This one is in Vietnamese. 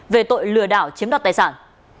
về tội lừa đảo chiếm đoạt tài sản